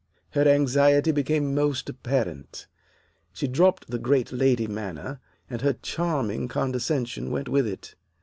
Her anxiety became most apparent. She dropped the great lady manner, and her charming condescension went with it.